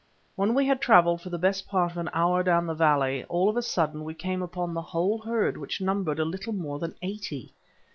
When we had travelled for the best part of an hour down the valley, all of a sudden we came upon the whole herd, which numbered a little more than eighty.